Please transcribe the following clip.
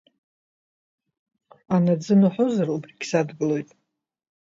Анаӡын уҳәозар, убригь садгылоит.